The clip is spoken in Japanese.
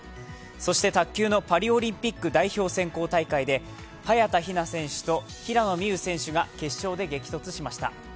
そして卓球のパリオリンピック代表選考大会で早田ひな選手と平野美宇選手が決勝で激突しました。